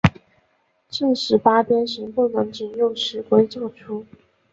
正十八边形不能仅用尺规作出。